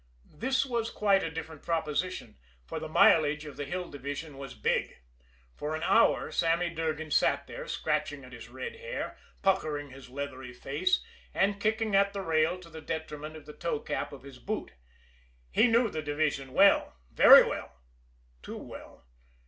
This was quite a different proposition, for the mileage of the Hill Division was big. For an hour Sammy Durgan sat there, scratching at his red hair, puckering his leathery face, and kicking at the rail to the detriment of the toe cap of his boot. He knew the division well, very well too well.